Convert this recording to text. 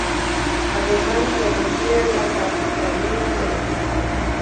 Además le retira la capitanía del equipo.